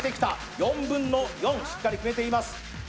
４分の４、しっかり決めています。